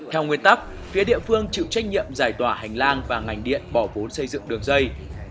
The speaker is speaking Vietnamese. theo nguyên tắc phía địa phương chịu trách nhiệm giải tỏa hành lang và ngành điện bỏ vốn xây dựng đường dây